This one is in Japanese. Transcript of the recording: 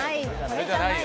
これじゃないよ。